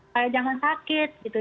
saya jangan sakit gitu